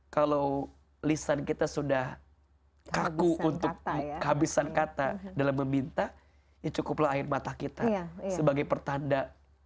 kalau lisan kita sudah kaku untuk kehabisan kata dalam meminta ya cukuplah air mata kita sebagai pertanda